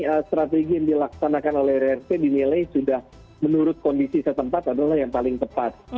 ya strategi yang dilaksanakan oleh rrp dinilai sudah menurut kondisi setempat adalah yang paling tepat